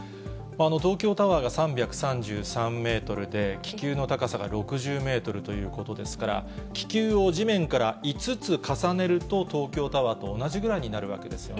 東京タワーが３３３メートルで、気球の高さが６０メートルということですから、気球を地面から５つ重ねると、東京タワーと同じぐらいになるわけですよね。